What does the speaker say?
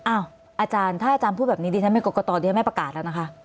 อ้าวอาจารย์ถ้าอาจารย์พูดแบบนี้ดีฉันไม่กดกระต่อดีไม่ประกาศแล้วนะคะ